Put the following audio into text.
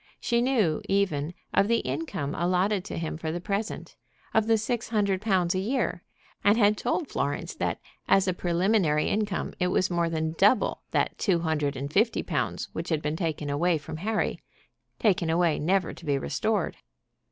She knew, even, of the income allotted to him for the present, of the six hundred pounds a year, and had told Florence that as a preliminary income it was more than double that two hundred and fifty pounds which had been taken away from Harry, taken away never to be restored.